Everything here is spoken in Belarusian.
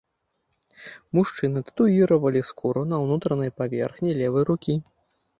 Мужчыны татуіравалі скуру на ўнутранай паверхні левай рукі.